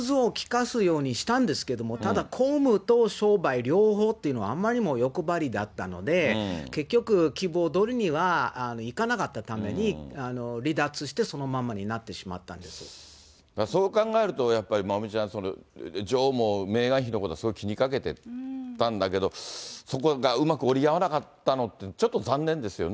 そうですね結構融通を利かすようにしたんですけれども、ただ、公務と商売両方っていうのは、あまりにも欲張りだったので、結局、希望どおりには、いかなかったために、離脱して、そのままになっそう考えると、やっぱりまおみちゃん、女王もメーガン妃のことはすごい気にかけてたんだけど、そこがうまく折り合わなかったのって、ちょっと残念ですよね。